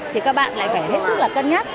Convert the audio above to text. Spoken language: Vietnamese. thì các bạn lại phải hết sức là cân nhắc